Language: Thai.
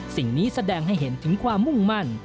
สิ่งนี้แสดงให้เห็นถึงความมุ่งมั่น